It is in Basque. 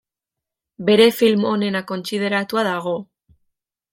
Bere film onena kontsideratua dago.